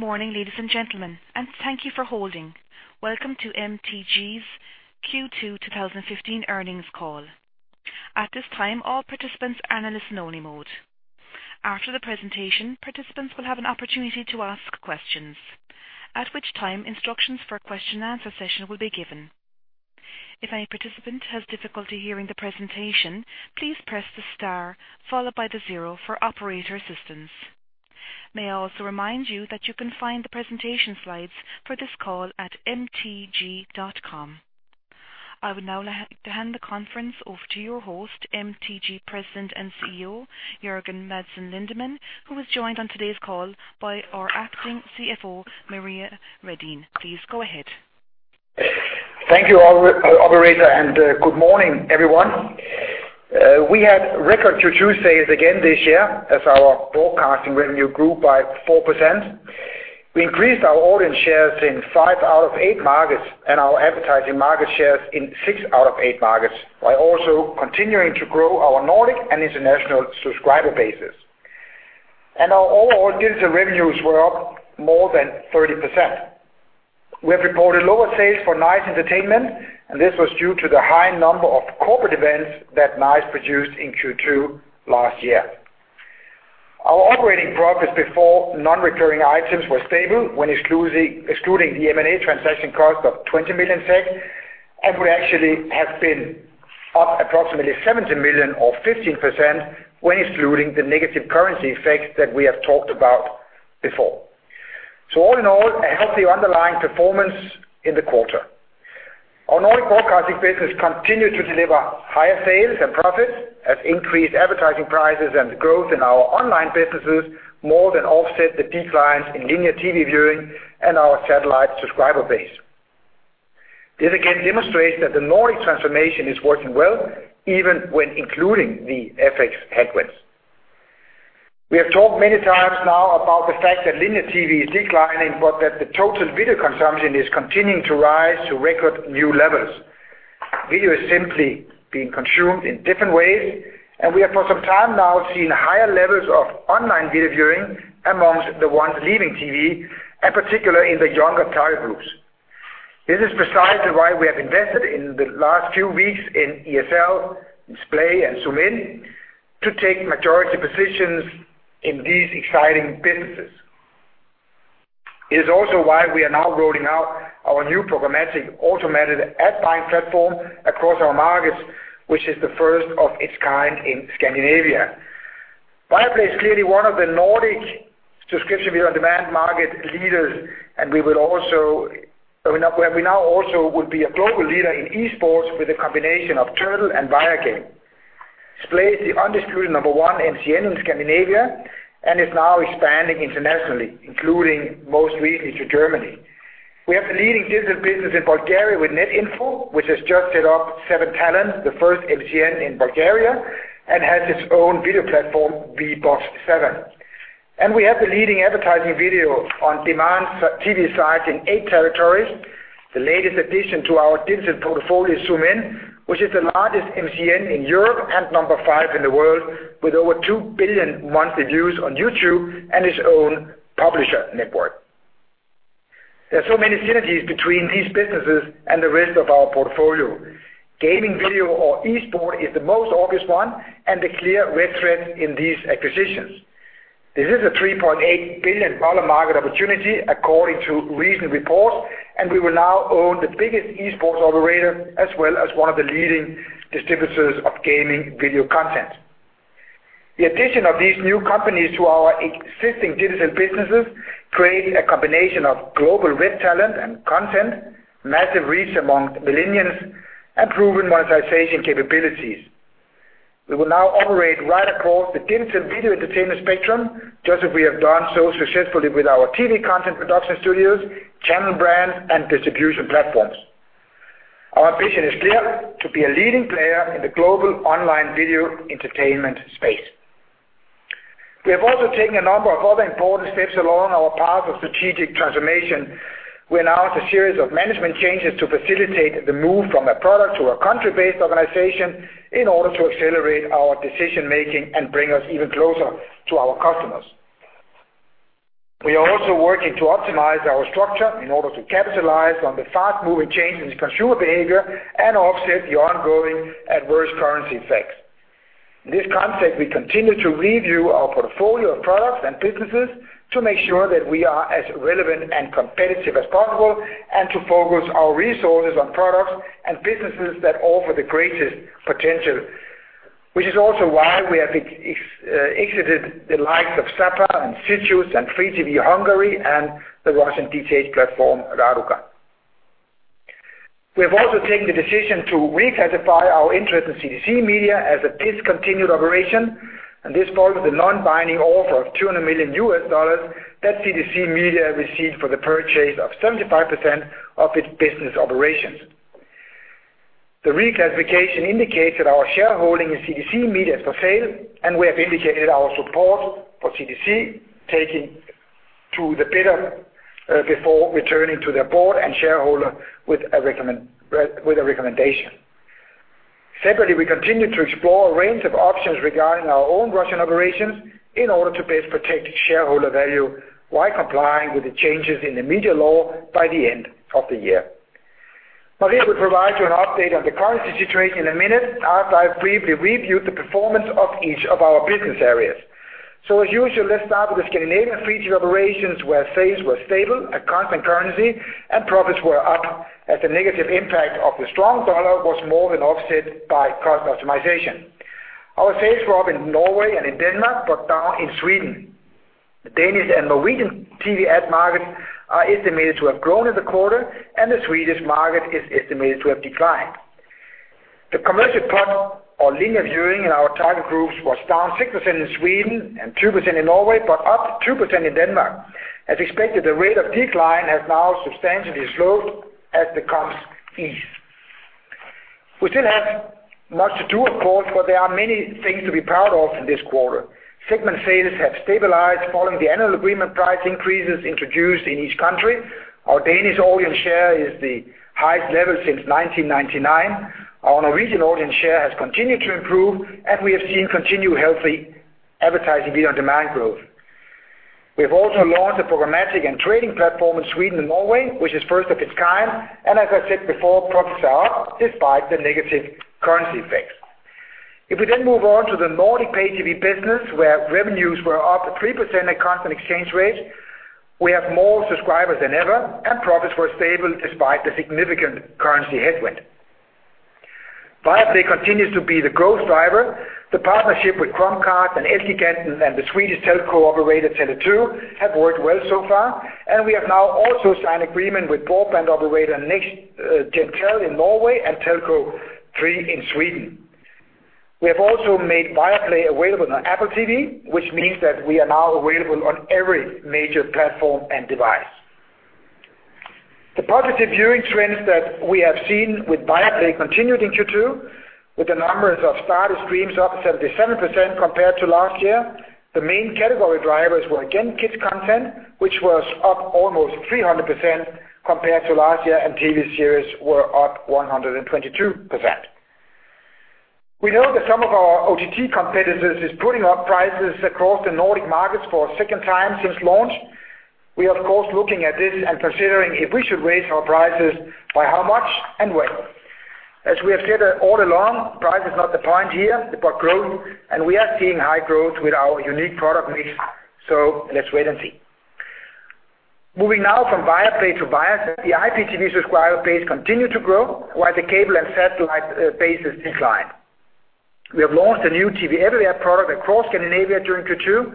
Good morning, ladies and gentlemen, and thank you for holding. Welcome to MTG's Q2 2015 earnings call. At this time, all participants are in a listen only mode. After the presentation, participants will have an opportunity to ask questions, at which time instructions for a question and answer session will be given. If any participant has difficulty hearing the presentation, please press the star followed by the zero for operator assistance. May I also remind you that you can find the presentation slides for this call at mtg.com. I would now like to hand the conference over to your host, MTG President and CEO, Jørgen Madsen Lindemann, who is joined on today's call by our acting CFO, Maria Redin. Please go ahead. Thank you, operator, and good morning, everyone. We had record Q2 sales again this year as our broadcasting revenue grew by 4%. We increased our audience shares in five out of eight markets and our advertising market shares in six out of eight markets, while also continuing to grow our Nordic and international subscriber bases. Our overall digital revenues were up more than 30%. We have reported lower sales for Nice Entertainment, This was due to the high number of corporate events that Nice produced in Q2 last year. Our operating profits before non-recurring items were stable when excluding the M&A transaction cost of 20 million SEK, and we actually have been up approximately 17 million or 15% when excluding the negative currency effects that we have talked about before. All in all, a healthy underlying performance in the quarter. Our Nordic broadcasting business continued to deliver higher sales and profits as increased advertising prices and growth in our online businesses more than offset the declines in linear TV viewing and our satellite subscriber base. This again demonstrates that the Nordic transformation is working well, even when including the FX headwinds. We have talked many times now about the fact that linear TV is declining, but that the total video consumption is continuing to rise to record new levels. Video is simply being consumed in different ways, and we have for some time now seen higher levels of online video viewing amongst the ones leaving TV, and particularly in the younger target groups. This is precisely why we have invested in the last few weeks in ESL, Splay and Zoomin to take majority positions in these exciting businesses. It is also why we are now rolling out our new programmatic automated ad buying platform across our markets, which is the first of its kind in Scandinavia. Viaplay is clearly one of the Nordic subscription video-on-demand market leaders, and we now also will be a global leader in esports with a combination of Turtle and Viagame. Splay is the undisputed number one MCN in Scandinavia and is now expanding internationally, including most recently to Germany. We have the leading digital business in Bulgaria with Netinfo, which has just set up 7Talents, the first MCN in Bulgaria, and has its own video platform, Vbox7. We have the leading advertising video on-demand TV site in eight territories. The latest addition to our digital portfolio is Zoomin, which is the largest MCN in Europe and number 5 in the world, with over 2 billion monthly views on YouTube and its own publisher network. There are so many synergies between these businesses and the rest of our portfolio. Gaming video or esports is the most obvious one and the clear red thread in these acquisitions. This is a SEK 3.8 billion market opportunity, according to recent reports, and we will now own the biggest esports operator as well as one of the leading distributors of gaming video content. The addition of these new companies to our existing digital businesses creates a combination of global red talent and content, massive reach among millennials, and proven monetization capabilities. We will now operate right across the digital video entertainment spectrum, just as we have done so successfully with our TV content production studios, channel brands, and distribution platforms. Our vision is clear: to be a leading player in the global online video entertainment space. We have also taken a number of other important steps along our path of strategic transformation. We announced a series of management changes to facilitate the move from a product to a country-based organization in order to accelerate our decision-making and bring us even closer to our customers. We are also working to optimize our structure in order to capitalize on the fast-moving changes in consumer behavior and offset the ongoing adverse currency effects. In this context, we continue to review our portfolio of products and businesses to make sure that we are as relevant and competitive as possible and to focus our resources on products and businesses that offer the greatest potential, which is also why we have exited the likes of Zappa, Zitius, FreeTV Hungary, and the Russian DTH platform, Raduga. We have also taken the decision to reclassify our interest in CTC Media as a discontinued operation, and this follows the non-binding offer of SEK 200 million that CTC Media received for the purchase of 75% of its business operations. The reclassification indicates that our shareholding in CTC Media is for sale, and we have indicated our support for CTC Media taking to the bidder before returning to their board and shareholder with a recommendation. Secondly, we continue to explore a range of options regarding our own Russian operations in order to best protect shareholder value while complying with the changes in the media law by the end of the year. Maria will provide you an update on the currency situation in a minute after I've briefly reviewed the performance of each of our business areas. As usual, let's start with the Scandinavian free TV operations, where sales were stable at constant currency and profits were up as the negative impact of the strong dollar was more than offset by cost optimization. Our sales were up in Norway and in Denmark, but down in Sweden. The Danish and Norwegian TV ad markets are estimated to have grown in the quarter, and the Swedish market is estimated to have declined. The commercial part of linear viewing in our target groups was down 6% in Sweden and 2% in Norway, but up 2% in Denmark. As expected, the rate of decline has now substantially slowed as the comps ease. We still have much to do, of course, but there are many things to be proud of in this quarter. Segment sales have stabilized following the annual agreement price increases introduced in each country. Our Danish audience share is the highest level since 1999. Our Norwegian audience share has continued to improve, and we have seen continued healthy advertising video-on-demand growth. We have also launched a programmatic and trading platform in Sweden and Norway, which is first of its kind, and as I said before, profits are up despite the negative currency effects. If we then move on to the Nordic pay TV business where revenues were up 3% at constant exchange rates, we have more subscribers than ever, and profits were stable despite the significant currency headwind. Viaplay continues to be the growth driver. The partnership with Chromecast and [3SS] and the Swedish telco operator Tele2 have worked well so far, and we have now also signed agreement with broadband operator NextGenTel in Norway and Tele2 in Sweden. We have also made Viaplay available on Apple TV, which means that we are now available on every major platform and device. The positive viewing trends that we have seen with Viaplay continued in Q2, with the numbers of started streams up 77% compared to last year. The main category drivers were again kids content, which was up almost 300% compared to last year, and TV series were up 122%. We know that some of our OTT competitors is putting up prices across the Nordic markets for a second time since launch. We are of course looking at this and considering if we should raise our prices, by how much, and when. As we have said all along, price is not the point here, but growth, and we are seeing high growth with our unique product mix. So let's wait and see. Moving now from Viaplay to Viasat. The IPTV subscriber base continued to grow, while the cable and satellite base is declined. We have launched a new TV everywhere product across Scandinavia during Q2,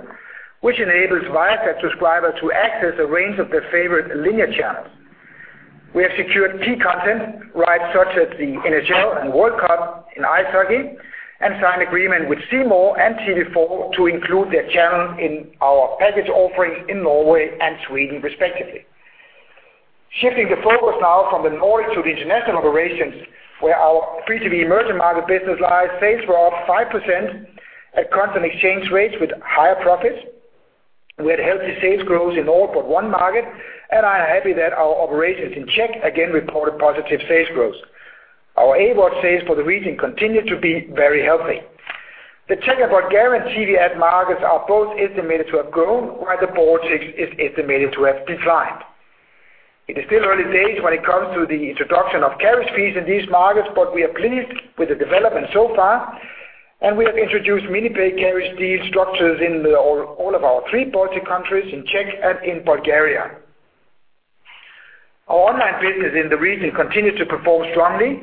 which enables Viasat subscribers to access a range of their favorite linear channels. We have secured key content rights such as the NHL and World Cup in ice hockey and signed agreement with C More and TV4 to include their channels in our package offerings in Norway and Sweden respectively. Shifting the focus now from the Nordic to the international operations, where our free TV emerging market business lies, sales were up 5% at constant exchange rates with higher profits. We had healthy sales growth in all but one market, and I am happy that our operations in Czech again reported positive sales growth. Our AVOD sales for the region continued to be very healthy. The Czech and Bulgarian TV ad markets are both estimated to have grown, while the Baltics is estimated to have declined. It is still early days when it comes to the introduction of carriage fees in these markets, but we are pleased with the development so far. We have introduced mini-pay carriage fee structures in all of our three Baltic countries, in Czech and in Bulgaria. Our online business in the region continued to perform strongly.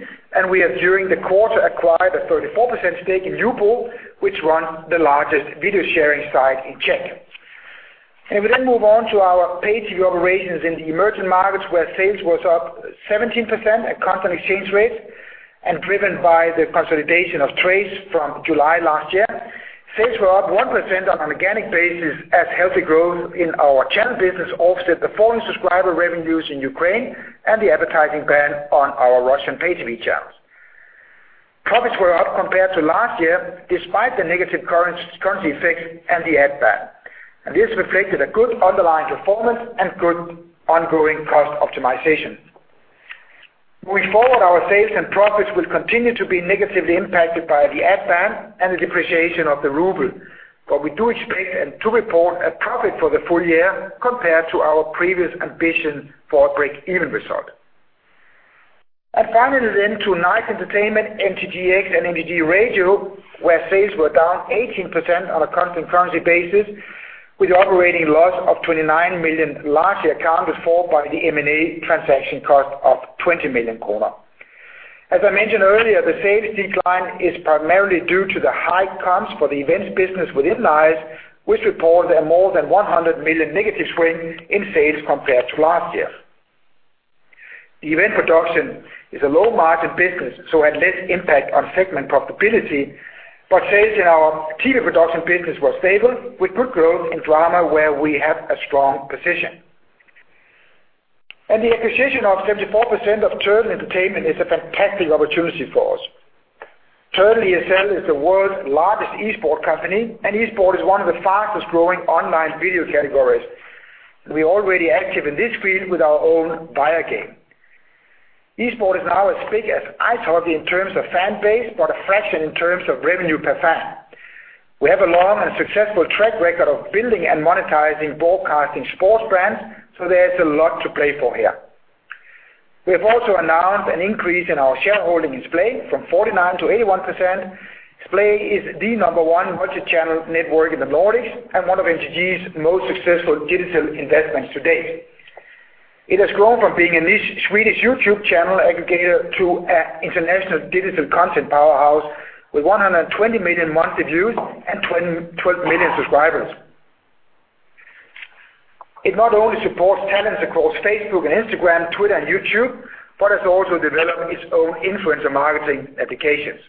We have during the quarter acquired a 34% stake in Mall.cz, which runs the largest video sharing site in Czech. If we then move on to our pay TV operations in the emerging markets, where sales was up 17% at constant exchange rates and driven by the consolidation of Trace from July last year. Sales were up 1% on an organic basis as healthy growth in our channel business offset the falling subscriber revenues in Ukraine and the advertising ban on our Russian pay TV channels. Profits were up compared to last year despite the negative currency effects and the ad ban. This reflected a good underlying performance and good ongoing cost optimization. Moving forward, our sales and profits will continue to be negatively impacted by the ad ban and the depreciation of the ruble, but we do expect to report a profit for the full year compared to our previous ambition for a break-even result. Finally then to Nice Entertainment, MTGx, and MTG Radio, where sales were down 18% on a constant currency basis with operating loss of 29 million, largely accounted for by the M&A transaction cost of 20 million kronor. As I mentioned earlier, the sales decline is primarily due to the high comps for the events business within Nice, which reported a more than 100 million negative swing in sales compared to last year. The event production is a low margin business, had less impact on segment profitability, but sales in our TV production business were stable, with good growth in drama where we have a strong position. The acquisition of 74% of Turtle Entertainment is a fantastic opportunity for us. Turtle ESL is the world's largest esports company, and esports is one of the fastest-growing online video categories. We are already active in this field with our own Viagame. Esports is now as big as ice hockey in terms of fan base, but a fraction in terms of revenue per fan. We have a long and successful track record of building and monetizing broadcasting sports brands, so there is a lot to play for here. We have also announced an increase in our shareholding in Splay from 49% to 81%. Splay is the number one multi-channel network in the Nordics and one of MTG's most successful digital investments to date. It has grown from being a niche Swedish YouTube channel aggregator to an international digital content powerhouse with 120 million monthly views and 12 million subscribers. It not only supports talents across Facebook and Instagram, Twitter, and YouTube, but has also developed its own influencer marketing applications.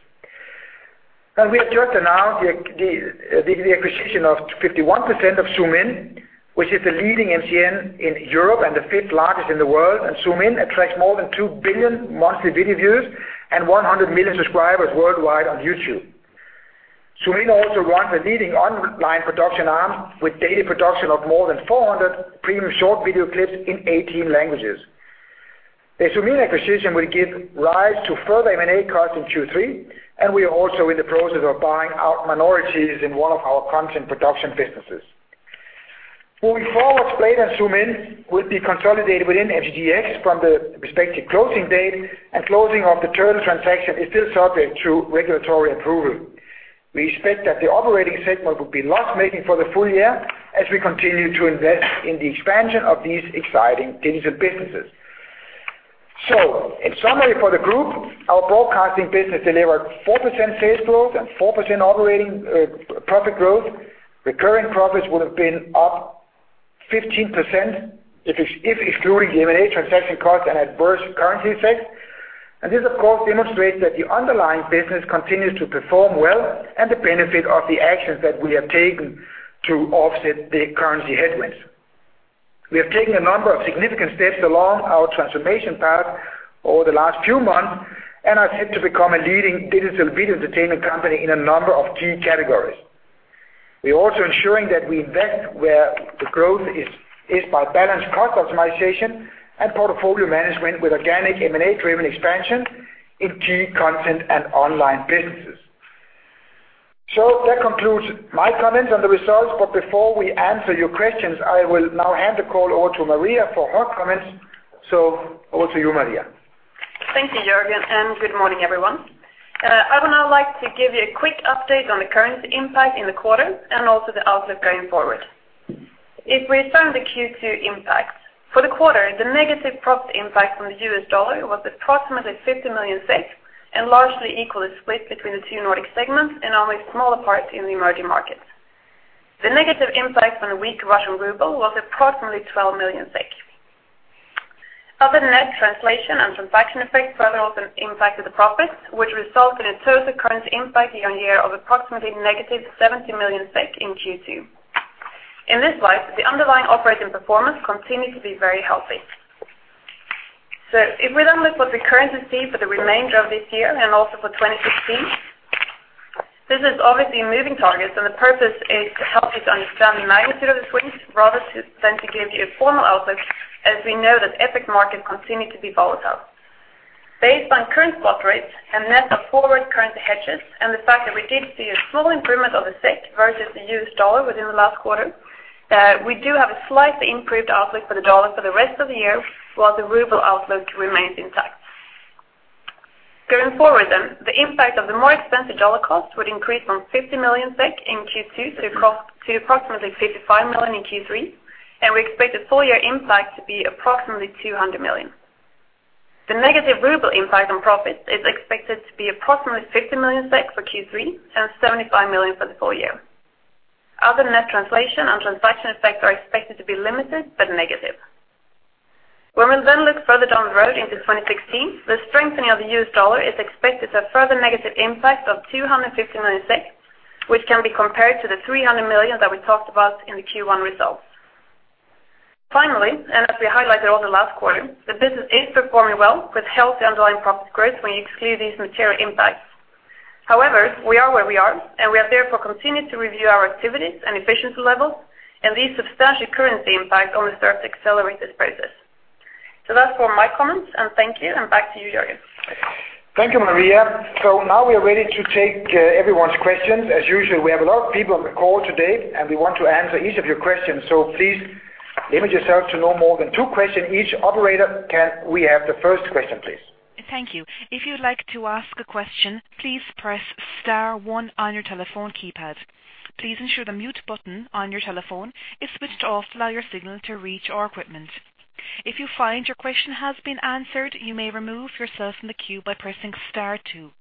We have just announced the acquisition of 51% of Zoomin, which is the leading MCN in Europe and the fifth largest in the world. Zoomin attracts more than 2 billion monthly video views and 100 million subscribers worldwide on YouTube. Zoomin also runs a leading online production arm with daily production of more than 400 premium short video clips in 18 languages. The Zoomin acquisition will give rise to further M&A costs in Q3, and we are also in the process of buying out minorities in one of our content production businesses. Moving forward, Splay and Zoomin will be consolidated within MTGx from the respective closing date, and closing of the Turtle transaction is still subject to regulatory approval. We expect that the operating segment will be loss-making for the full year as we continue to invest in the expansion of these exciting digital businesses. In summary for the group, our broadcasting business delivered 4% sales growth and 4% operating profit growth. Recurrent profits would have been up 15% if excluding the M&A transaction costs and adverse currency effects. This, of course, demonstrates that the underlying business continues to perform well and the benefit of the actions that we have taken to offset the currency headwinds. We have taken a number of significant steps along our transformation path over the last few months and are set to become a leading digital video entertainment company in a number of key categories. We are also ensuring that we invest where the growth is by balanced cost optimization and portfolio management with organic M&A-driven expansion in key content and online businesses. That concludes my comments on the results, but before we answer your questions, I will now hand the call over to Maria for her comments. Over to you, Maria. Thank you, Jørgen, and good morning, everyone. I would now like to give you a quick update on the currency impact in the quarter and also the outlook going forward. If we sum the Q2 impacts, for the quarter, the negative profit impact from the US dollar was approximately 50 million and largely equally split between the two Nordic segments and only a smaller part in the emerging markets. The negative impact on a weak Russian ruble was approximately 12 million SEK. Other net translation and transaction effects further also impacted the profits, which resulted in a total currency impact year-on-year of approximately negative 70 million SEK in Q2. In this light, the underlying operating performance continued to be very healthy. If we then look what the currency sees for the remainder of this year and also for 2016, this is obviously a moving target. The purpose is to help you to understand the magnitude of the swings rather than to give you a formal outlook, as we know that FX markets continue to be volatile. Based on current spot rates and net of forward currency hedges and the fact that we did see a small improvement of the SEK versus the US dollar within the last quarter, we do have a slightly improved outlook for the dollar for the rest of the year, while the ruble outlook remains intact. Going forward, the impact of the more expensive dollar cost would increase from 50 million SEK in Q2 to approximately 55 million in Q3, and we expect the full-year impact to be approximately 200 million. The negative ruble impact on profits is expected to be approximately 50 million SEK for Q3 and 75 million for the full year. Other net translation and transaction effects are expected to be limited but negative. When we look further down the road into 2016, the strengthening of the US dollar is expected to have a further negative impact of 250 million, which can be compared to the 300 million that we talked about in the Q1 results. Finally, as we highlighted over the last quarter, the business is performing well with healthy underlying profit growth when you exclude these material impacts. However, we are where we are, we are therefore continuing to review our activities and efficiency levels, and these substantial currency impacts only serve to accelerate this process. That's for my comments, thank you, and back to you, Jørgen. Thank you, Maria. Now we are ready to take everyone's questions. As usual, we have a lot of people on the call today, we want to answer each of your questions. Please limit yourself to no more than two questions each. Operator, can we have the first question, please? Thank you. If you'd like to ask a question, please press star one on your telephone keypad. Please ensure the mute button on your telephone is switched off to allow your signal to reach our equipment. If you find your question has been answered, you may remove yourself from the queue by pressing star two.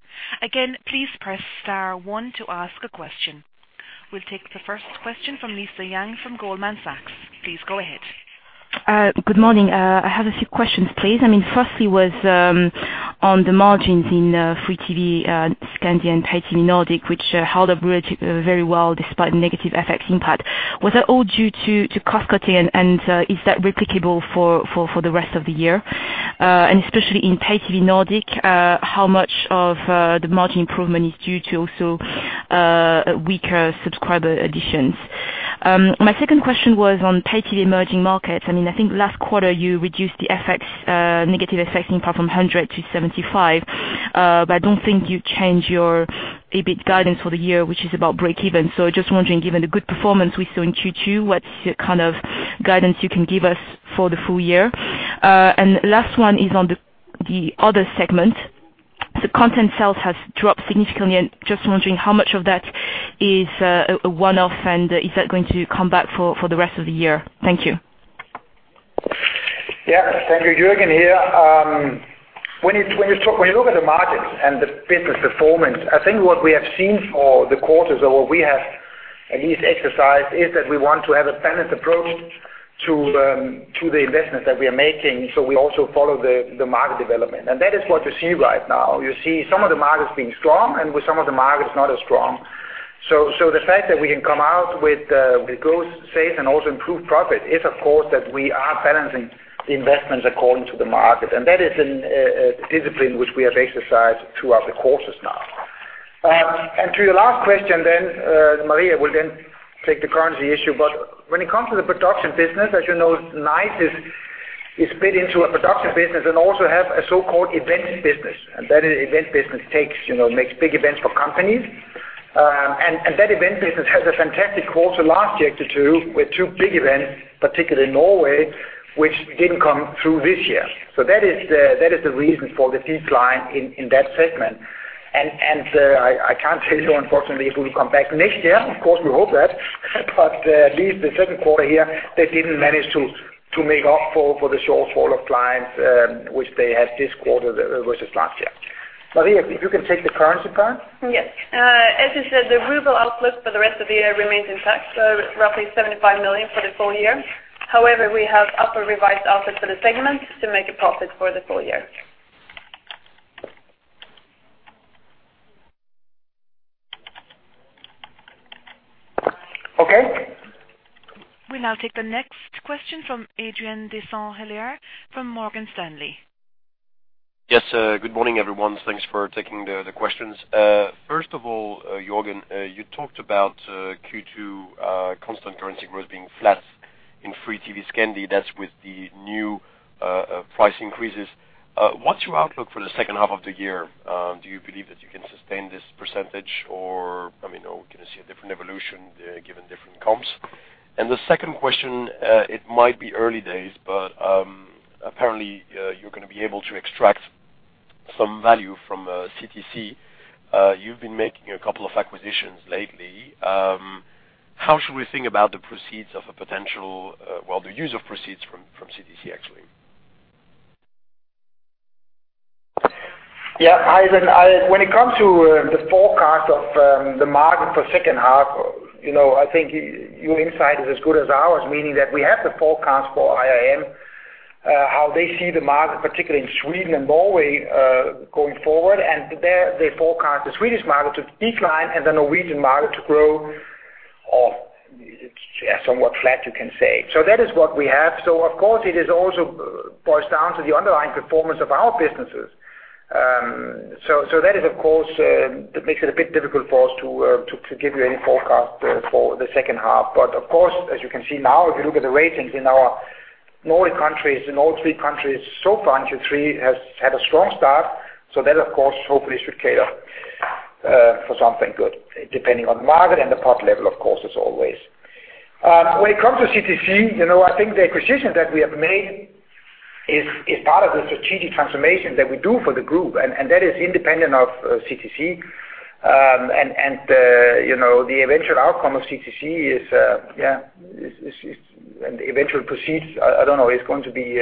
Again, please press star one to ask a question. We'll take the first question from Lisa Yang from Goldman Sachs. Please go ahead. Good morning. I have a few questions, please. Firstly, on the margins in free TV, Scandi and Pay TV Nordic, which held up very well despite negative FX impact. Was that all due to cost-cutting, is that replicable for the rest of the year? Especially in Pay TV Nordic, how much of the margin improvement is due to also weaker subscriber additions? My second question was on Pay TV emerging markets. I think last quarter you reduced the negative FX impact from 100 to 75, I don't think you changed your EBIT guidance for the year, which is about breakeven. Just wondering, given the good performance we saw in Q2, what kind of guidance you can give us for the full year? Last one is on the other segment. The content sales has dropped significantly. I'm just wondering how much of that is a one-off, and is that going to come back for the rest of the year? Thank you. Yeah. Thank you. Jørgen here. When you look at the margins and the business performance, I think what we have seen for the quarters or what we have at least exercised is that we want to have a balanced approach to the investments that we are making, so we also follow the market development. That is what you see right now. You see some of the markets being strong and with some of the markets not as strong. The fact that we can come out with growth, safe, and also improved profit is, of course, that we are balancing the investments according to the market. That is a discipline which we have exercised throughout the courses now. To your last question then, Maria will then take the currency issue, when it comes to the production business, as you know, Nice is split into a production business and also have a so-called events business. That event business makes big events for companies. That event business had a fantastic quarter last year, Q2, with two big events, particularly in Norway, which didn't come through this year. That is the reason for the decline in that segment. I can't tell you, unfortunately, if it will come back next year. Of course, we hope that, but at least the second quarter here, they didn't manage to make up for the shortfall of clients, which they had this quarter versus last year. Maria, if you can take the currency part. Yes. As you said, the ruble outlook for the rest of the year remains intact, roughly 75 million for the full year. However, we have upward revised outlook for the segment to make a profit for the full year. Okay. We'll now take the next question from Adrien de Saint Hilaire from Morgan Stanley. Yes. Good morning, everyone. Thanks for taking the questions. First of all, Jørgen, you talked about Q2 constant currency growth being flat in free TV Scandi. That's with the new price increases. What's your outlook for the second half of the year? Do you believe that you can sustain this percentage, or can you see a different evolution given different comps? The second question, it might be early days, but apparently, you're going to be able to extract some value from CTC. You've been making a couple of acquisitions lately. How should we think about the use of proceeds from CTC, actually? Yeah, Adrien, when it comes to the forecast of the market for second half, I think your insight is as good as ours, meaning that we have the forecast for IRM, how they see the market, particularly in Sweden and Norway, going forward. There they forecast the Swedish market to decline and the Norwegian market to grow somewhat flat, you can say. That is what we have. Of course, it also boils down to the underlying performance of our businesses. That makes it a bit difficult for us to give you any forecast for the second half. Of course, as you can see now, if you look at the ratings in our Norway countries, in all three countries so far, Q3 has had a strong start. That, of course, hopefully should cater for something good, depending on the market and the POP level, of course, as always. When it comes to CTC, I think the acquisition that we have made is part of the strategic transformation that we do for the group, and that is independent of CTC. The eventual outcome of CTC and the eventual proceeds, I don't know, it's going to be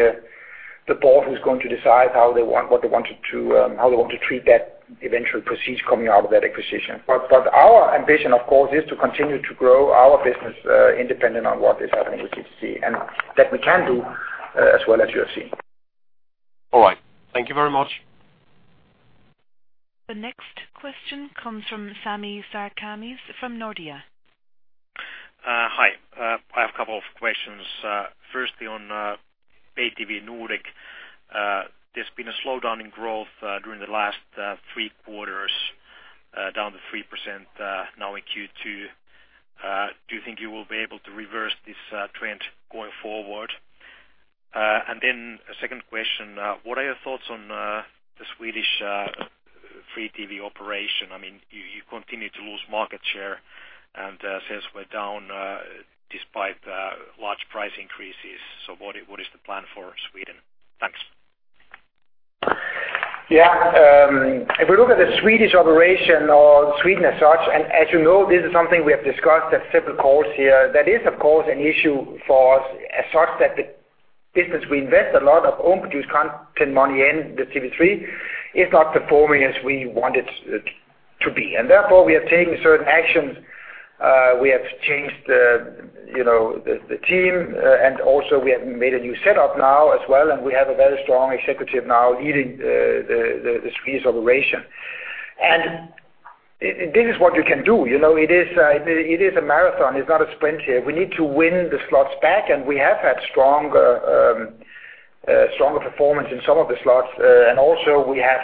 the board who's going to decide how they want to treat that eventual proceeds coming out of that acquisition. Our ambition, of course, is to continue to grow our business independent on what is happening with CTC, and that we can do as well as you have seen. All right. Thank you very much. The next question comes from Sami Sarkamies from Nordea. Hi. I have a couple of questions. Firstly, on Pay TV Nordic, there has been a slowdown in growth during the last three quarters, down to 3% now in Q2. Do you think you will be able to reverse this trend going forward? A second question. What are your thoughts on the Swedish free TV operation? You continue to lose market share, and sales were down despite large price increases. What is the plan for Sweden? Thanks. Yeah. If we look at the Swedish operation or Sweden as such, and as you know, this is something we have discussed at several calls here, that is, of course, an issue for us as such that the business we invest a lot of own produced content money in the TV3 is not performing as we want it to be. Therefore, we have taken certain actions. We have changed the team and also we have made a new setup now as well, and we have a very strong executive now leading the Swedish operation. This is what you can do. It is a marathon, it is not a sprint here. We need to win the slots back, and we have had stronger performance in some of the slots. Also we have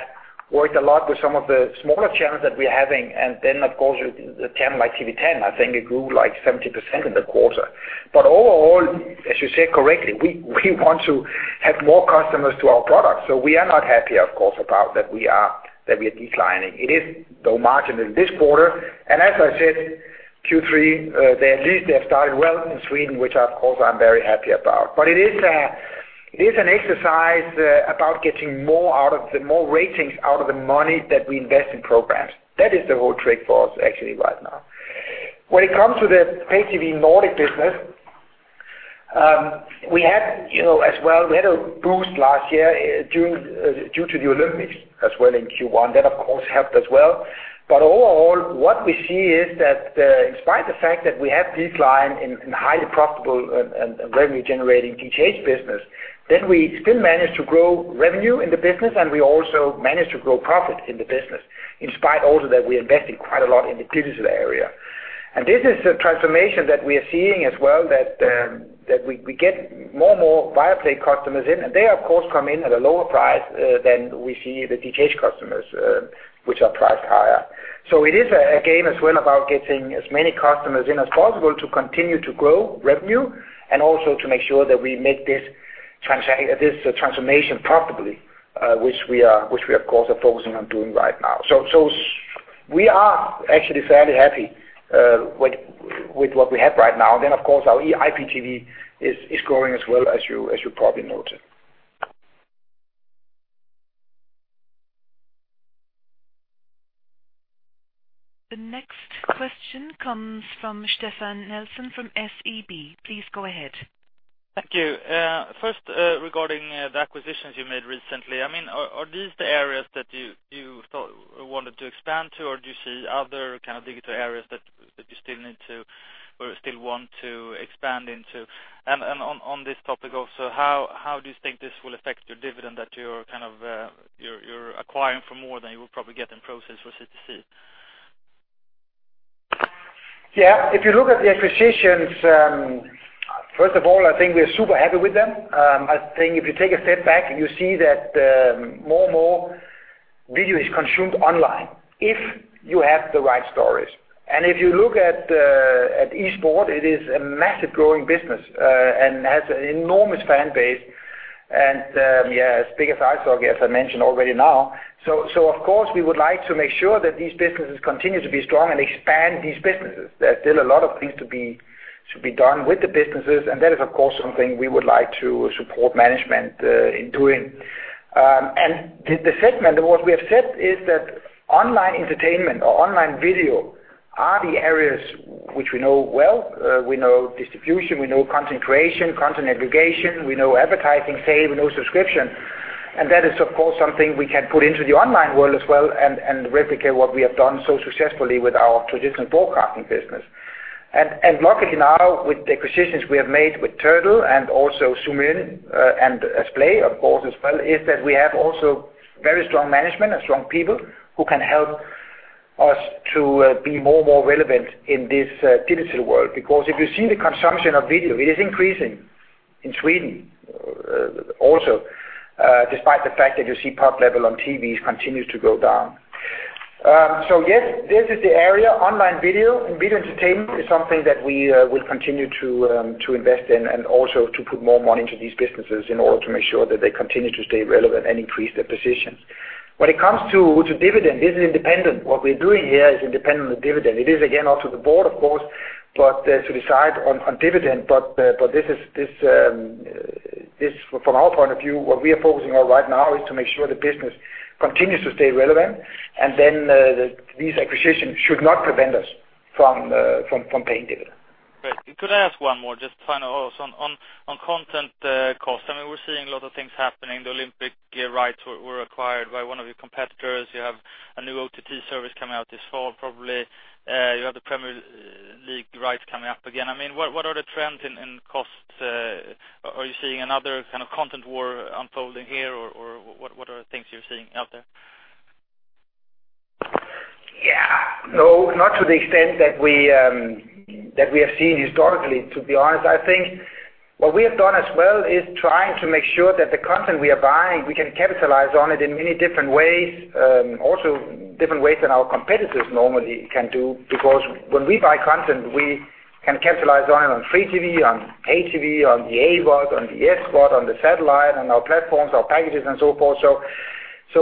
worked a lot with some of the smaller channels that we are having. Then, of course, with a channel like TV10, I think it grew like 70% in the quarter. Overall, as you said correctly, we want to add more customers to our product. We are not happy, of course, about that we are declining. It is, though, marginal this quarter. As I said, Q3, at least they have started well in Sweden, which of course I'm very happy about. It is an exercise about getting more ratings out of the money that we invest in programs. That is the whole trick for us actually right now. When it comes to the pay TV Nordic business, we had a boost last year due to the Olympics as well in Q1. That, of course, helped as well. Overall, what we see is that despite the fact that we have decline in highly profitable and revenue-generating DTH business, then we still manage to grow revenue in the business, and we also manage to grow profit in the business, in spite also that we invested quite a lot in the digital area. This is a transformation that we are seeing as well, that we get more Viaplay customers in, and they of course come in at a lower price than we see the DTH customers, which are priced higher. It is a game as well about getting as many customers in as possible to continue to grow revenue, and also to make sure that we make this transformation profitably, which we of course are focusing on doing right now. We are actually fairly happy with what we have right now. Of course, our IPTV is growing as well, as you probably noted. The next question comes from Stefan Nelson from SEB. Please go ahead. Thank you. First, regarding the acquisitions you made recently. Are these the areas that you thought you wanted to expand to, or do you see other kind of digital areas that you still need to, or still want to expand into? On this topic also, how do you think this will affect your dividend, that you're acquiring for more than you will probably get in process for CTC? Yeah. If you look at the acquisitions, first of all, I think we're super happy with them. I think if you take a step back, you see that more video is consumed online if you have the right stories. If you look at esports, it is a massive growing business, and has an enormous fan base. Yeah, as big as ice hockey, as I mentioned already now. Of course we would like to make sure that these businesses continue to be strong and expand these businesses. There are still a lot of things to be done with the businesses, and that is, of course, something we would like to support management in doing. The statement, what we have said is that online entertainment or online video are the areas which we know well. We know distribution, we know content creation, content aggregation, we know advertising sale, we know subscription. That is, of course, something we can put into the online world as well and replicate what we have done so successfully with our traditional broadcasting business. Luckily now with the acquisitions we have made with Turtle and also Zoomin.TV and Splay, of course, as well, is that we have also very strong management and strong people who can help us to be more relevant in this digital world. Because if you see the consumption of video, it is increasing in Sweden also, despite the fact that you see POP level on TVs continues to go down. Yes, this is the area. Online video and video entertainment is something that we will continue to invest in, and also to put more money into these businesses in order to make sure that they continue to stay relevant and increase their positions. When it comes to dividend, this is independent. What we're doing here is independent of dividend. It is, again, up to the board, of course, to decide on dividend. From our point of view, what we are focusing on right now is to make sure the business continues to stay relevant, these acquisitions should not prevent us from paying dividend. Great. Could I ask one more just to final also. On content cost, we're seeing a lot of things happening. The Olympic rights were acquired by one of your competitors. You have a new OTT service coming out this fall, probably. You have the Premier League rights coming up again. What are the trends in costs? Are you seeing another kind of content war unfolding here, or what are the things you're seeing out there? No, not to the extent that we have seen historically, to be honest. I think what we have done as well is trying to make sure that the content we are buying, we can capitalize on it in many different ways. Also different ways than our competitors normally can do, because when we buy content, we can capitalize on it on free TV, on pay TV, on the AVOD, on the SVOD, on the satellite, on our platforms, our packages, and so forth.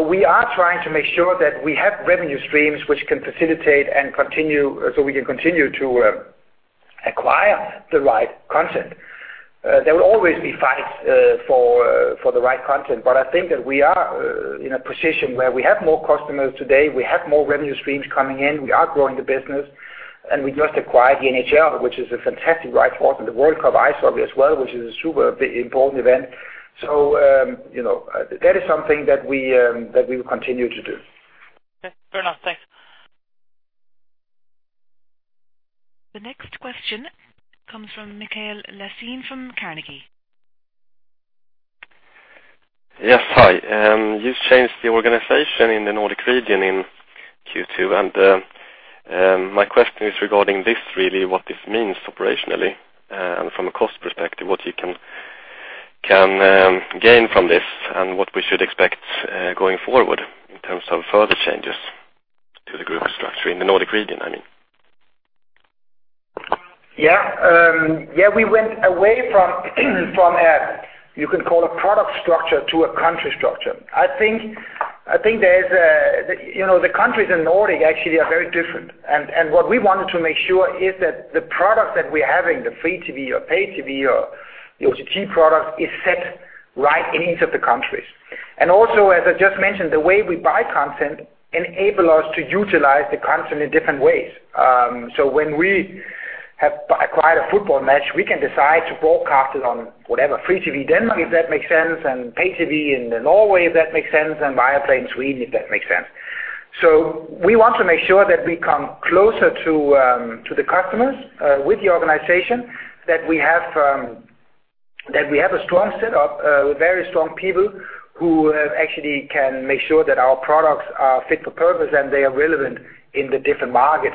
We are trying to make sure that we have revenue streams which can facilitate so we can continue to acquire the right content. There will always be fights for the right content, but I think that we are in a position where we have more customers today, we have more revenue streams coming in, we are growing the business, and we just acquired the NHL, which is a fantastic right for us, and the World Cup ice hockey as well, which is a super important event. That is something that we will continue to do. Okay. Fair enough. Thanks. The next question comes from Mikael Laséen from Carnegie. Yes. Hi. You changed the organization in the Nordic region in Q2, and my question is regarding this really, what this means operationally and from a cost perspective, what you can gain from this and what we should expect, going forward in terms of further changes to the group structure in the Nordic region, I mean. Yeah. We went away from, you can call a product structure to a country structure. The countries in Nordic actually are very different. What we wanted to make sure is that the product that we're having, the free TV or paid TV or the OTT product is set right in each of the countries. Also, as I just mentioned, the way we buy content enable us to utilize the content in different ways. When we have acquired a football match, we can decide to broadcast it on whatever free TV, then if that makes sense, and pay TV in Norway, if that makes sense, and Viaplay in Sweden, if that makes sense. We want to make sure that we come closer to the customers, with the organization that we have a strong set of very strong people who actually can make sure that our products are fit for purpose and they are relevant in the different markets.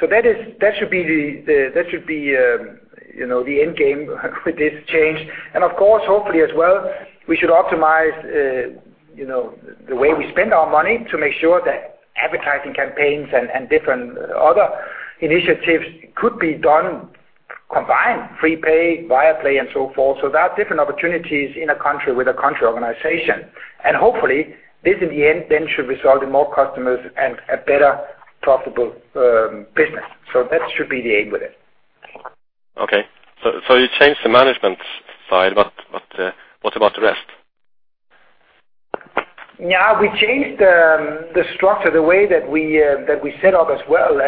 That should be the end game with this change. Of course, hopefully as well, we should optimize the way we spend our money to make sure that advertising campaigns and different other initiatives could be done combined, free pay, Viaplay and so forth. There are different opportunities in a country with a country organization. Hopefully this in the end then should result in more customers and a better profitable business. That should be the aim with it. Okay. You changed the management side, but what about the rest? Yeah, we changed the structure, the way that we set up as well.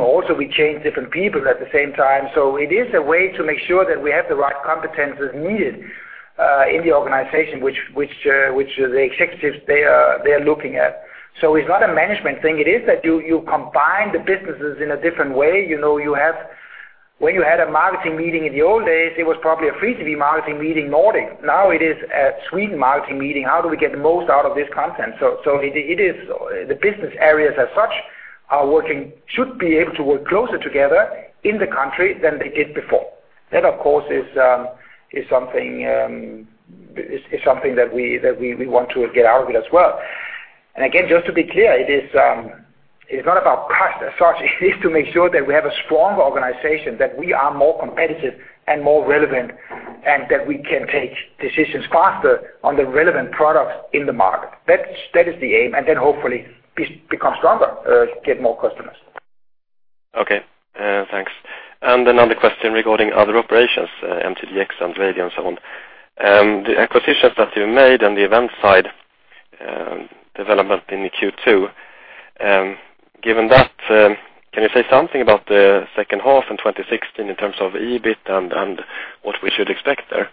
Also we changed different people at the same time. It is a way to make sure that we have the right competencies needed, in the organization, which the executives they're looking at. It's not a management thing. It is that you combine the businesses in a different way. When you had a marketing meeting in the old days, it was probably a free TV marketing meeting Nordic. Now it is a Sweden marketing meeting. How do we get the most out of this content? The business areas as such should be able to work closer together in the country than they did before. That, of course, is something that we want to get out of it as well. Again, just to be clear, it's not about cost as such. It is to make sure that we have a strong organization, that we are more competitive and more relevant, and that we can take decisions faster on the relevant products in the market. That is the aim, then hopefully become stronger, get more customers. Okay. Thanks. Another question regarding other operations, MTGx and Viasat and so on. The acquisitions that you made on the event side development in Q2. Given that, can you say something about the second half in 2016 in terms of EBIT and what we should expect there?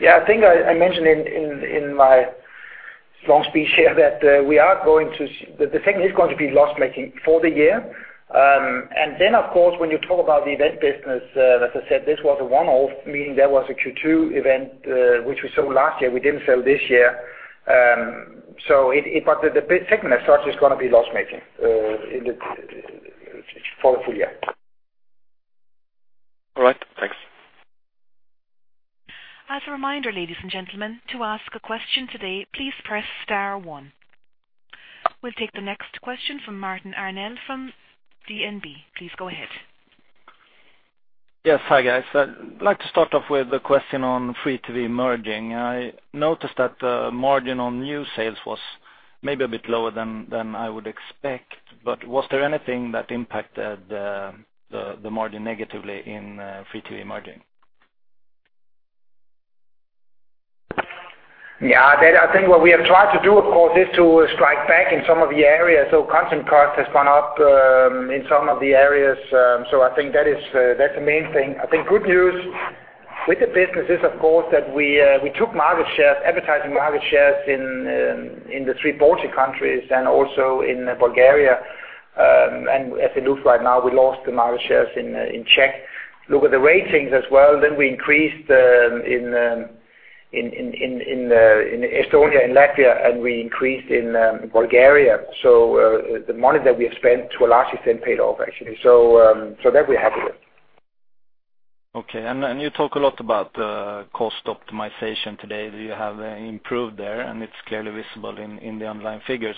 Yeah, I think I mentioned in my long speech here that the segment is going to be loss-making for the year. Then, of course, when you talk about the event business, as I said, this was a one-off, meaning there was a Q2 event, which we sold last year. We didn't sell this year. The segment as such is going to be loss-making for the full year. All right. Thanks. As a reminder, ladies and gentlemen, to ask a question today, please press star one. We'll take the next question from Martin Arnell from DNB. Please go ahead. Yes. Hi, guys. I'd like to start off with a question on free-to-air margins. I noticed that the margin on new sales was maybe a bit lower than I would expect, was there anything that impacted the margin negatively in free TV margins? I think what we have tried to do, of course, is to strike back in some of the areas. Content cost has gone up in some of the areas. I think that's the main thing. I think good news with the business is, of course, that we took advertising market shares in the three Baltic countries and also in Bulgaria. As it looks right now, we lost the market shares in Czech. Look at the ratings as well. We increased in Estonia and Latvia, and we increased in Bulgaria. The money that we have spent to a large extent paid off, actually. That we're happy with. Okay. You talk a lot about cost optimization today that you have improved there, and it's clearly visible in the underlying figures.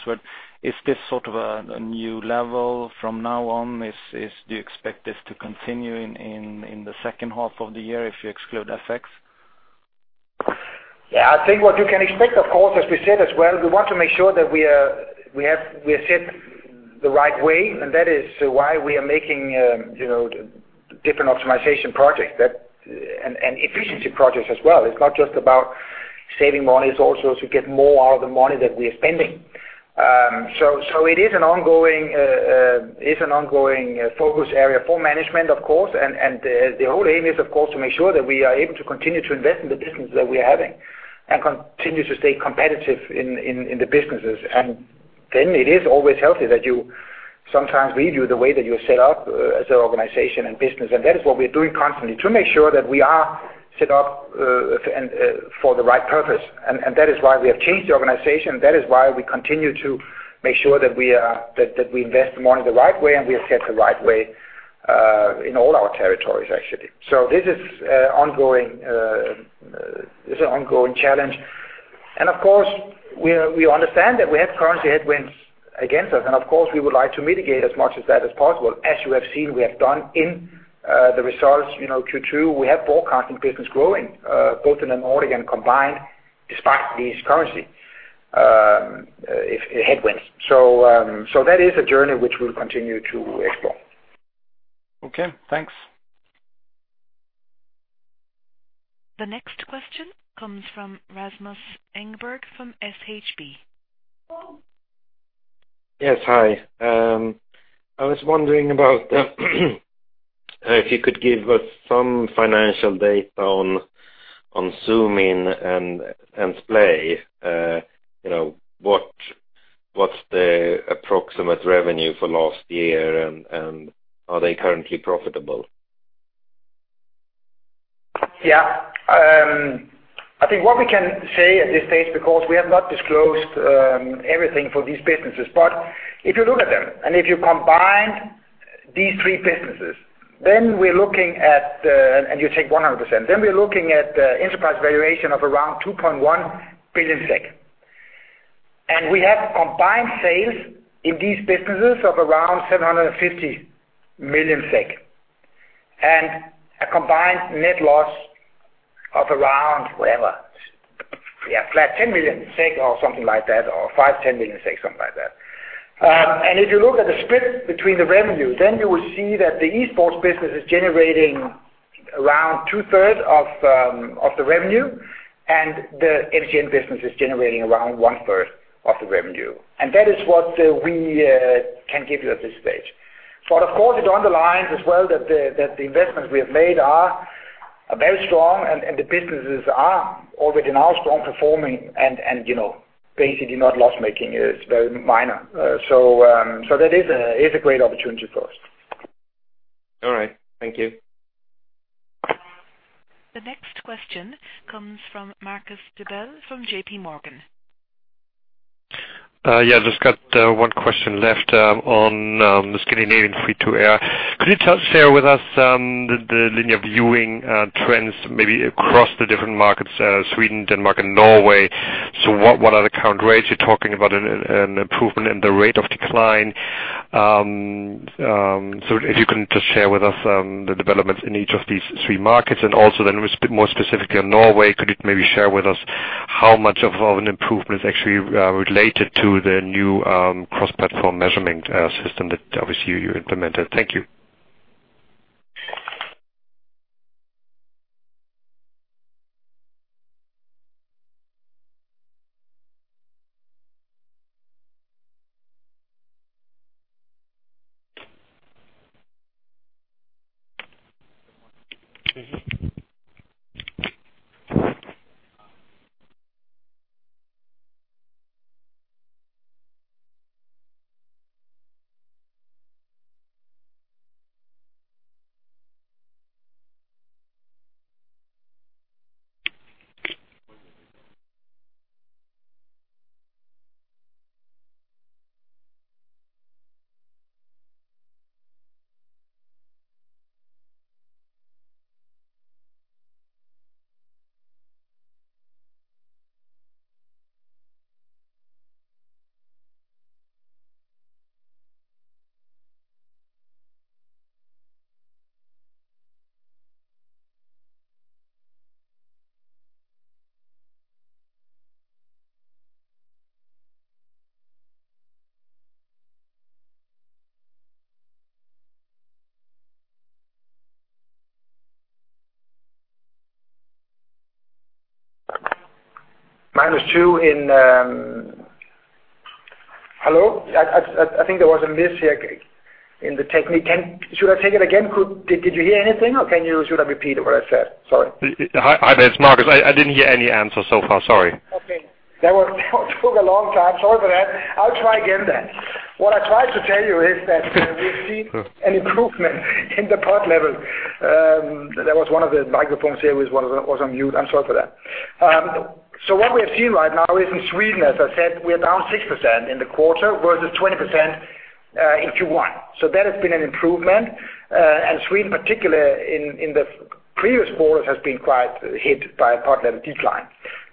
Is this sort of a new level from now on? Do you expect this to continue in the second half of the year if you exclude effects? I think what you can expect, of course, as we said as well, we want to make sure that we are set the right way, and that is why we are making different optimization projects and efficiency projects as well. It's not just about saving money. It's also to get more out of the money that we are spending. It is an ongoing focus area for management, of course, and the whole aim is, of course, to make sure that we are able to continue to invest in the business that we are having and continue to stay competitive in the businesses. It is always healthy that you sometimes review the way that you're set up as an organization and business, and that is what we are doing constantly to make sure that we are set up for the right purpose. That is why we have changed the organization. That is why we continue to make sure that we invest money the right way and we are set the right way, in all our territories, actually. This is ongoing challenge. Of course, we understand that we have currency headwinds against us, and of course, we would like to mitigate as much of that as possible. As you have seen, we have done in the results Q2, we have forecasting business growing, both in the Nordic and combined, despite these currency headwinds. That is a journey which we'll continue to explore. Okay, thanks. The next question comes from Rasmus Engberg from Handelsbanken. Yes. Hi. I was wondering about if you could give us some financial data on Zoomin.TV and Splay. What's the approximate revenue for last year and are they currently profitable? I think what we can say at this stage, because we have not disclosed everything for these businesses, but if you look at them, if you combine these three businesses, and you take 100%, then we're looking at enterprise valuation of around 2.1 billion SEK. We have combined sales in these businesses of around 750 million SEK and a combined net loss of around, whatever. flat 10 million SEK or something like that, or five, 10 million SEK, something like that. If you look at the split between the revenue, then you will see that the esports business is generating around two-thirds of the revenue and the MCN business is generating around one-third of the revenue. That is what we can give you at this stage. Of course, it underlines as well that the investments we have made are very strong and the businesses are already now strong performing and basically not loss-making, it's very minor. That is a great opportunity for us. All right. Thank you. The next question comes from Marcus Diebel from J.P. Morgan. Just got one question left on the Scandinavian free-to-air. Could you just share with us the linear viewing trends, maybe across the different markets, Sweden, Denmark and Norway? What are the current rates? You're talking about an improvement in the rate of decline. If you can just share with us the developments in each of these three markets, and also then more specifically on Norway, could you maybe share with us how much of an improvement is actually related to the new cross-platform measurement system that obviously you implemented? Thank you. Hello, I think there was a miss here in the technique. Should I take it again? Did you hear anything or should I repeat what I said? Sorry. Hi, it's Marcus. I didn't hear any answer so far. Sorry. That took a long time. Sorry for that. I'll try again. What I tried to tell you is that we've seen an improvement in the PUT level. There was one of the microphones here was on mute. I'm sorry for that. What we are seeing right now is in Sweden, as I said, we're down 6% in the quarter versus 20% in Q1. That has been an improvement. Sweden, particularly in the previous quarters, has been quite hit by a PUT level decline.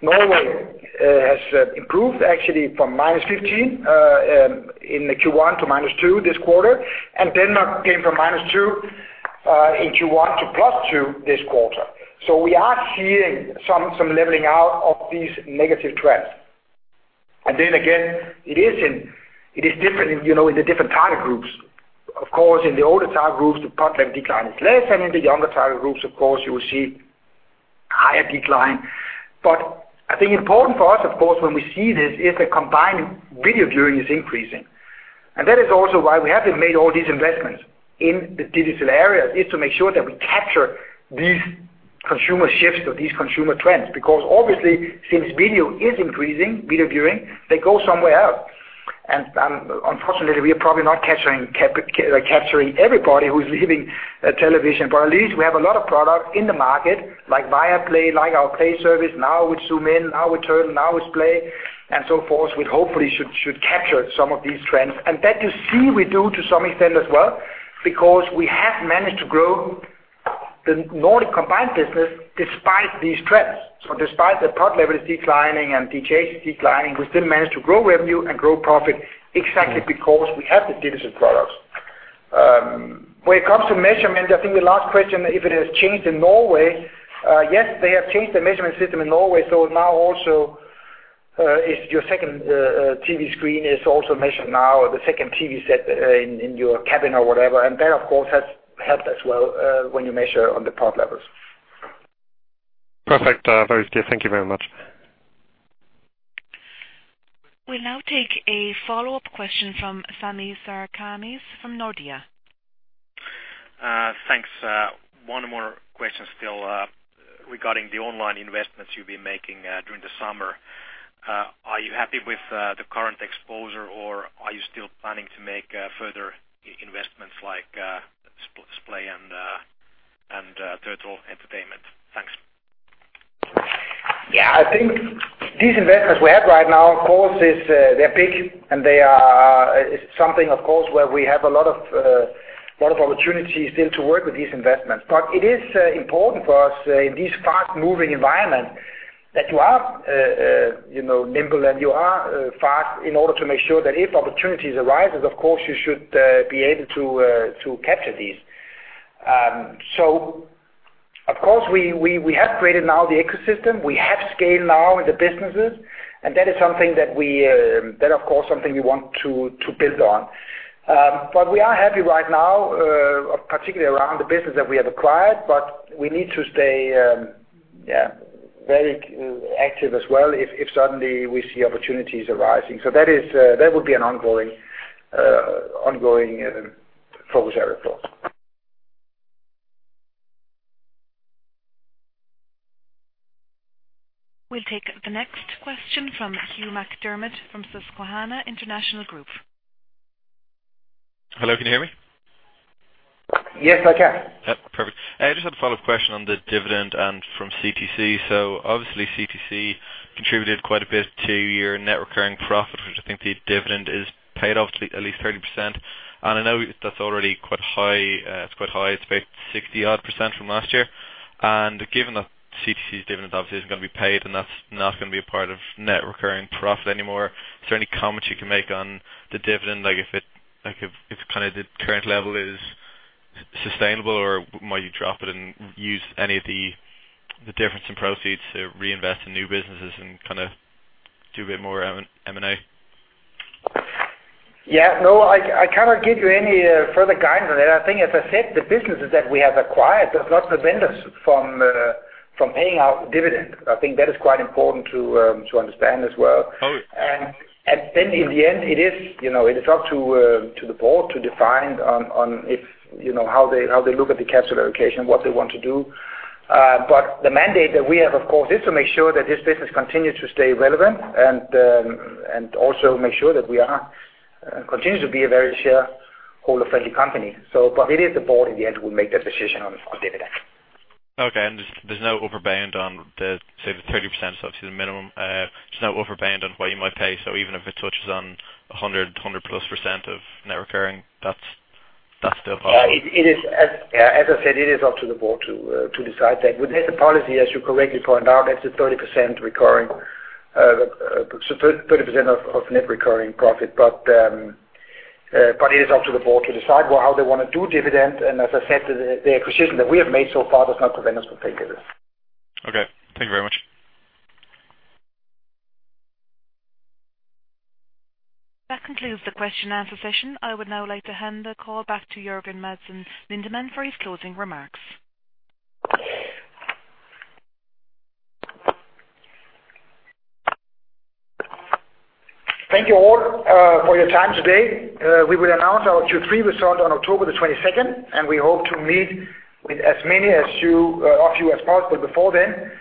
Norway has improved actually from minus 15 in the Q1 to minus two this quarter, and Denmark came from minus two in Q1 to plus two this quarter. We are seeing some leveling out of these negative trends. Again, it is different in the different target groups. Of course, in the older target groups, the PUT level decline is less, and in the younger target groups, of course, you will see higher decline. I think important for us, of course, when we see this is the combined video viewing is increasing. That is also why we have made all these investments in the digital areas, is to make sure that we capture these consumer shifts or these consumer trends, because obviously since video is increasing, video viewing, they go somewhere else. Unfortunately, we are probably not capturing everybody who's leaving television, but at least we have a lot of product in the market, like Viaplay, like our Splay service. Now with Zoomin.TV, now with Turtle, now with Splay and so forth. We hopefully should capture some of these trends. That you see we do to some extent as well, because we have managed to grow the Nordic combined business despite these trends. Despite the product level is declining and DTH declining, we still manage to grow revenue and grow profit exactly because we have the digital products. When it comes to measurement, I think the last question, if it has changed in Norway. Yes, they have changed the measurement system in Norway. Now also, your second TV screen is also measured now, or the second TV set in your cabin or whatever. That, of course, has helped as well when you measure on the product levels. Perfect. Very clear. Thank you very much. We'll now take a follow-up question from Sami Sarkamies from Nordea. Thanks. One more question still regarding the online investments you've been making during the summer. Are you happy with the current exposure, or are you still planning to make further investments like Splay and Turtle Entertainment? Thanks. I think these investments we have right now, of course, they're big, and they are something, of course, where we have a lot of opportunities still to work with these investments. It is important for us in this fast-moving environment that you are nimble, and you are fast in order to make sure that if opportunities arises, of course, you should be able to capture these. Of course, we have created now the ecosystem. We have scale now in the businesses, and that, of course, something we want to build on. We are happy right now, particularly around the business that we have acquired, but we need to stay very active as well if suddenly we see opportunities arising. That would be an ongoing focus area for us. We'll take the next question from Hugh McDermot from Susquehanna International Group. Hello, can you hear me? Yes, I can. Yep, perfect. I just had a follow-up question on the dividend from CTC. Obviously, CTC contributed quite a bit to your net recurring profit, which I think the dividend is paid obviously at least 30%. I know that is already quite high. It is about 60-odd percent from last year. Given that CTC's dividend obviously is not going to be paid, and that is not going to be a part of net recurring profit anymore, is there any comment you can make on the dividend? If the current level is sustainable or might you drop it and use any of the difference in proceeds to reinvest in new businesses and kind of do a bit more M&A? Yeah, no, I cannot give you any further guidance on that. I think, as I said, the businesses that we have acquired do not prevent us from paying out dividend. I think that is quite important to understand as well. Oh, yeah. In the end, it is up to the board to define how they look at the capital allocation, what they want to do. The mandate that we have, of course, is to make sure that this business continues to stay relevant and also make sure that we are continuing to be a very shareholder-friendly company. It is the board in the end who make that decision on dividend. Okay. There's no upper bound on the, say, the 30%, obviously the minimum. There's no upper bound on what you might pay. Even if it touches on 100+% of net recurring, that's still possible. Yeah. As I said, it is up to the board to decide that. We have the policy, as you correctly pointed out, that's the 30% of net recurring profit. It is up to the board to decide how they want to do dividend, as I said, the acquisition that we have made so far does not prevent us from paying dividends. Okay. Thank you very much. That concludes the question and answer session. I would now like to hand the call back to Jørgen Madsen Lindemann for his closing remarks. Thank you all for your time today. We will announce our Q3 result on October 22nd. We hope to meet with as many of you as possible before then.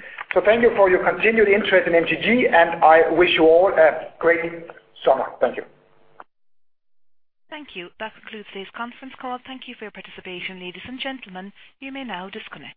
Thank you for your continued interest in MTG. I wish you all a great summer. Thank you. Thank you. That concludes today's conference call. Thank you for your participation, ladies and gentlemen. You may now disconnect.